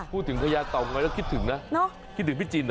พูดถึงพระยาเต่าง้อยแล้วคิดถึงนะคิดถึงพี่จิน